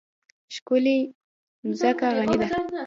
ښکلې مځکه غني ده.